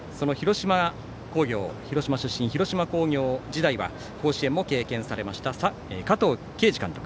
広島出身、広島工業時代は甲子園も経験されました加藤慶二監督。